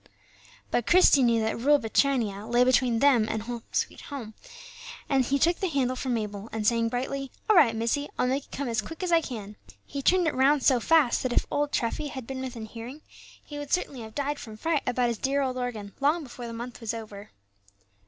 But Christie knew that "Rule Britannia" lay between them and "Home, sweet Home;" he took the handle from Mabel, and saying, brightly, "All right, missie, I'll make it come as quick as I can," he turned it round so fast, that if old Treffy had been within hearing, he would certainly have died from fright about his dear old organ long before the month was over.